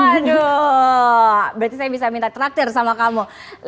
aduh berarti saya bisa minta traktir sama kamu